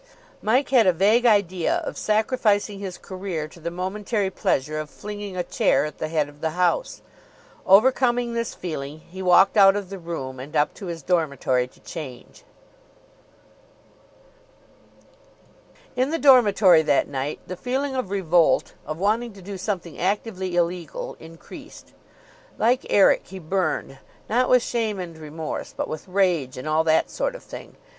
Mike had a vague idea of sacrificing his career to the momentary pleasure of flinging a chair at the head of the house. Overcoming this feeling, he walked out of the room, and up to his dormitory to change. In the dormitory that night the feeling of revolt, of wanting to do something actively illegal, increased. Like Eric, he burned, not with shame and remorse, but with rage and all that sort of thing.